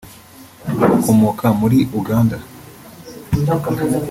ukomoka muri Uganda